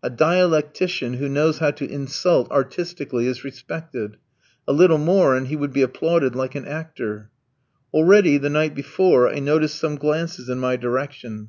A dialectician, who knows how to insult artistically, is respected. A little more, and he would be applauded like an actor. Already, the night before, I noticed some glances in my direction.